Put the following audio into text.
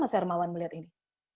mas hermawan melihat ini